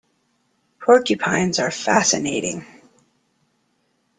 Porcupines are fascinating.